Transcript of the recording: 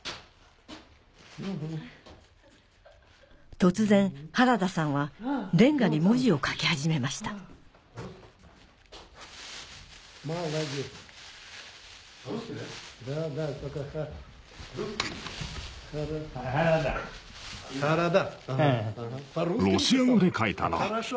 突然原田さんはレンガに文字を書き始めましたハラダ。